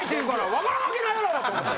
分からんわけないやろ！と思って。